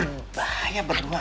berbahaya berduaan di bawah